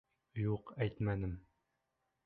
— Юҡ әйтмәнем.